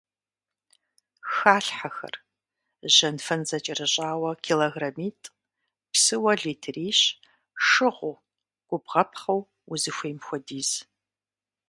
Халъхьэхэр: жьэнфэн зэкӀэрыщӀауэ килограммитӏ, псыуэ литрищ, шыгъуу, губгъуэпхъыу — узыхуейм хуэдиз.